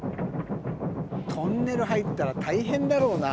トンネル入ったら大変だろうな。